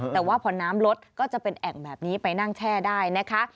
แต่ว่าพอน้ำลดก็จะเป็นแอ่งแบบนี้ไปนั่งแช่ได้นะคะ